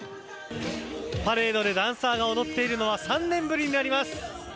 パレードでダンサーが踊っているのは３年ぶりになります。